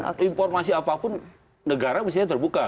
atau informasi apapun negara mestinya terbuka